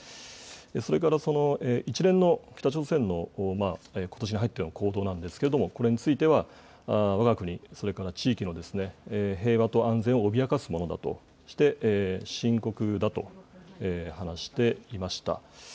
それから一連の北朝鮮のことしに入っての行動なんですけれども、これについては、わが国、それから地域の平和と安全を脅かすものだとして、深刻だと話していました。